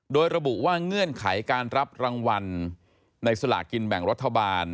โดยระบุว่าเงื่อนไขการรับรางวัลในสลากินแบ่งรัฐบาล